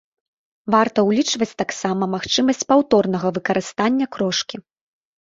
Варта ўлічваць таксама магчымасць паўторнага выкарыстання крошкі.